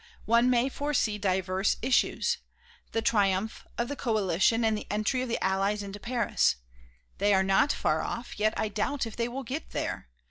One may foresee divers issues. The triumph of the Coalition and the entry of the allies into Paris. They are not far off; yet I doubt if they will get there.